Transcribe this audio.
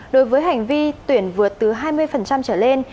đối với hành vi tuyển vượt từ hai mươi trở lên